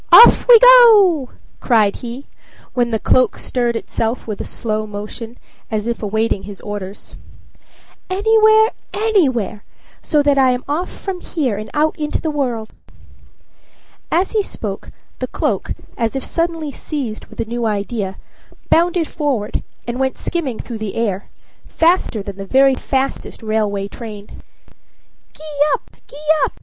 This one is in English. "Off we go!" cried he, when the cloak stirred itself with a slight, slow motion, as if waiting his orders. "Anywhere anywhere, so that I am away from here, and out into the world." As he spoke, the cloak, as if seized suddenly with a new idea, bounded forward and went skimming through the air, faster than the very fastest railway train. "Gee up! gee up!"